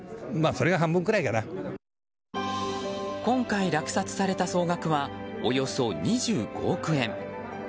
今回落札された総額はおよそ２５億円。